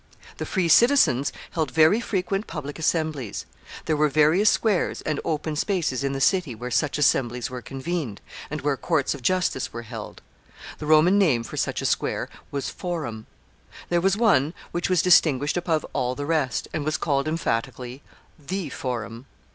The free citizens held very frequent public assemblies. There were various squares and open spaces in the city where such assemblies were convened, and where courts of justice were held. The Roman name for such a square was forum. There was one which was distinguished above all the rest, and was called emphatically The Forum.